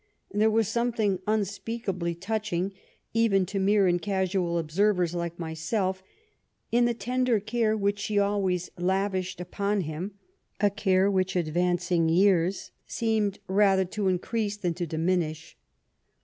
There was something unspeakably touching, even to mere and casual observers like myself, in the tender care which she always lavished upon him, a care which advancing years seemed rather to increase than to diminish.